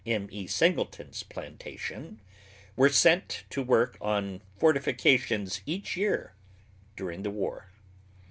M.E. Singleton's, plantation, were sent to work on fortifications each year during the war.